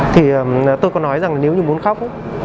thì tôi có nói rằng là nếu như muốn khóc